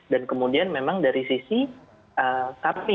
dan kemudian memang dari sisi kami